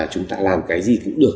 chúng ta làm cái gì cũng được